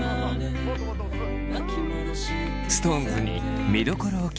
ＳｉｘＴＯＮＥＳに見どころを聞いてみると。